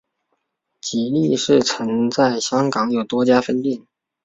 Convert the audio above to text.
吉利市曾在香港有多家分店。